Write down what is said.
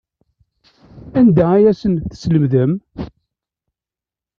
Anda ay asen-teslemdem?